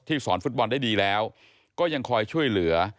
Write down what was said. สอนฟุตบอลได้ดีแล้วก็ยังคอยช่วยเหลือ